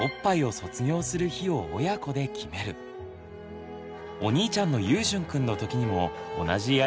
お兄ちゃんのゆうしゅんくんの時にも同じやり方でした。